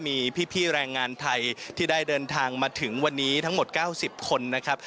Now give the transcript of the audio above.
มีพี่แรงงานไทยที่ได้เดินทางมาถึงวันนี้ทั้งหมด๙๐คนนะครับ